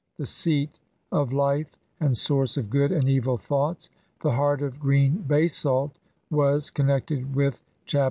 The seat of life and source of good and evil thoughts. The heart of green basalt oo* \ «w^ was con nected with Chap.